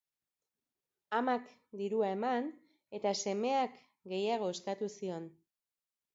Amak dirua eman, eta semeak gehiago eskatu zion.